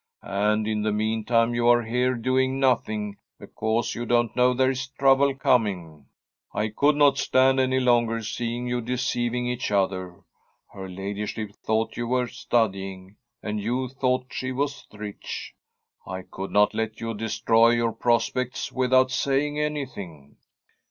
And in the meantime you are here doing nothing, because you don't know there is trouble coming. I could not stand any longer seeing you deceiving each other. Her ladyship thought you were studying, and you thought she was rich. I could not let you destroy your prospects without saying anything.'